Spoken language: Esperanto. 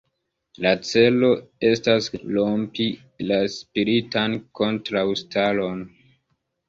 La celo estas rompi la spiritan kontraŭstaron.